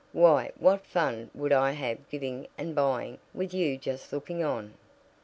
Why, what fun would I have giving and buying, with you just looking on?"